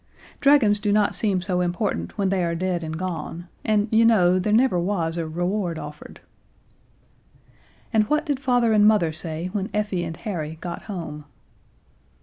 Dragons do not seem so important when they are dead and gone, and, you know, there never was a reward offered. And what did Father and Mother say when Effie and Harry got home?